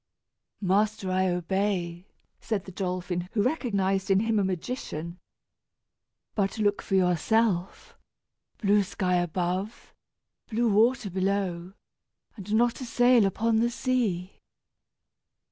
"Master, I obey," said the dolphin, who recognized in him a magician. "But, look for yourself blue sky above, blue water below, and not a sail upon the sea."